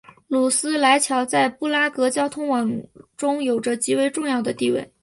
努斯莱桥在布拉格交通网中有着极为重要的地位。